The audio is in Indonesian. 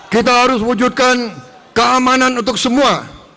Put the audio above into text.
kita harus wujudkan keamanan untuk semua